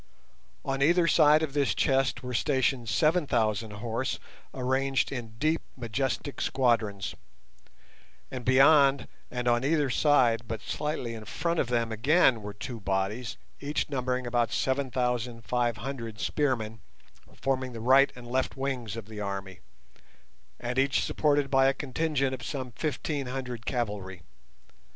On either side of this chest were stationed seven thousand horse arranged in deep, majestic squadrons; and beyond and on either side but slightly in front of them again were two bodies, each numbering about seven thousand five hundred spearmen, forming the right and left wings of the army, and each supported by a contingent of some fifteen hundred cavalry.